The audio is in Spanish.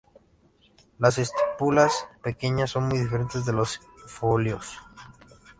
Las estípulas, pequeñas, son muy diferentes de los folíolos.